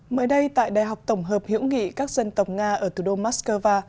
mới đây tại đại học tổng hợp hiễu nghị các dân tộc nga ở thủ đô moskova